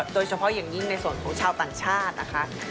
โดยเฉพาะอย่างยิ่งในส่วนของชาวต่างชาตินะคะ